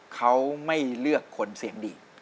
เขาไม่เลือกคนเสียงดี